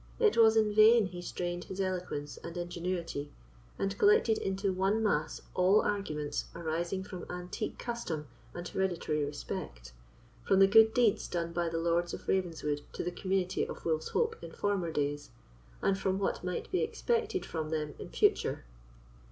It was in vain he strained his eloquence and ingenuity, and collected into one mass all arguments arising from antique custom and hereditary respect, from the good deeds done by the Lords of Ravenswood to the community of Wolf's Hope in former days, and from what might be expected from them in future.